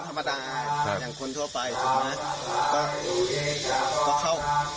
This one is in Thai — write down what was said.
ก็เข้าได้เหมือนเดิมเพื่อถ่ายรูป